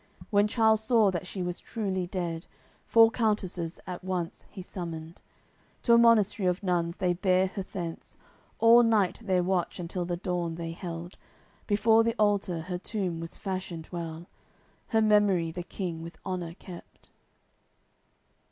When Charles saw that she was truly dead Four countesses at once he summoned; To a monast'ry of nuns they bare her thence, All night their watch until the dawn they held; Before the altar her tomb was fashioned well; Her memory the King with honour kept.